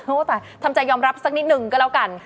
โอ้วตายทำใจยอมรับสักนิดหนึ่งก็แล้วกัน